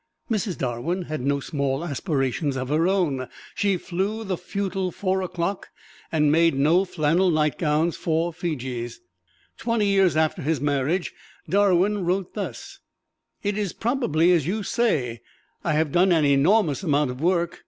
Mrs. Darwin had no small aspirations of her own. She flew the futile Four o'Clock and made no flannel nightgowns for Fijis. Twenty years after his marriage, Darwin wrote thus: "It is probably as you say I have done an enormous amount of work.